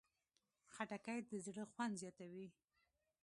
خټکی د زړه خوند زیاتوي.